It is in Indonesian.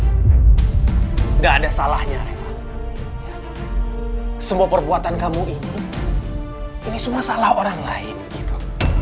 tidak ada salahnya reva semua perbuatan kamu ini ini semua salah orang lain gitu